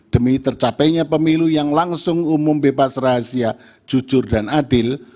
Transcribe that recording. demi tercapainya pemilu yang langsung umum bebas rahasia jujur dan adil